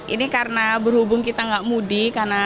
ini karena berhubung kita gak mudi